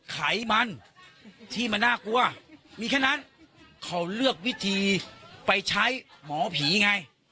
ไขมันที่มันน่ากลัวมีแค่นั้นเขาเลือกวิธีไปใช้หมอผีไง